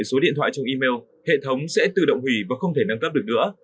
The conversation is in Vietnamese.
số điện thoại trong email hệ thống sẽ tự động hủy và không thể nâng cấp được nữa